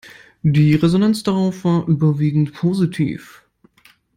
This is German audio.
Die Resonanz darauf war überwiegend positiv.